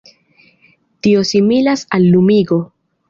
Tio similas al lumigo.